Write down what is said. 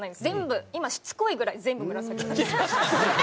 全部今しつこいぐらい全部紫です。